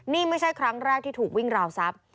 นี่ไม่ใช่ครั้งแรกที่ถูกวิ่งราวทรัพย์